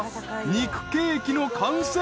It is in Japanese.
［肉ケーキの完成］